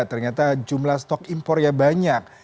ternyata jumlah stok impor ya banyak